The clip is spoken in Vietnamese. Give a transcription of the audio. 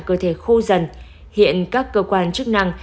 cơ thể khô dần hiện các cơ quan chức năng